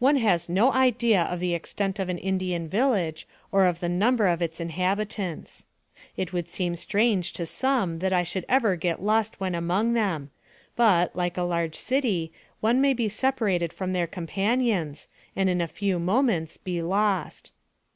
One has no idea of the extent of an Indian village, or of the number of its inhabitants. 12 138 NAREATIVE OF CAPTIVITY It would seem strange to some that I should ever get lost when among them, but, like a large city, one may be separated from their companions, and in a few moments be lost.